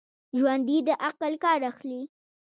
ژوندي د عقل کار اخلي